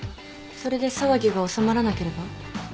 それで騒ぎが収まらなければ？